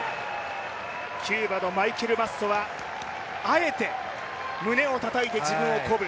キューバのマイケル・マッソはあえて胸をたたいて自分を鼓舞。